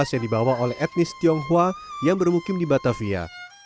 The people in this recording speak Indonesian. yang dibawa oleh etnis tionghoa yang bermukim di batavia